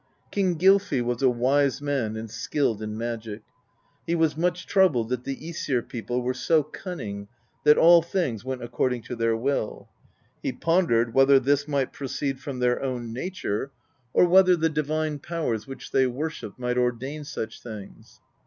King Gylfi was a wise man and skilled in magic; he was much troubled that the ^sir people were so cunning that all things went according to their will. He pondered whether this might proceed from their own nature, or 14 PROSE EDDA whether the divine powers which they worshipped might ordain such things.